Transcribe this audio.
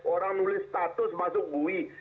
orang nulis status masuk bui